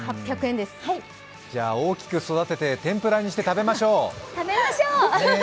じゃあ大きく育てて天ぷらにして食べましょう。